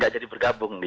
jadi bergabung dia